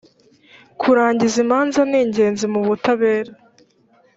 kurangiza imanza ni ingenzi mu butabera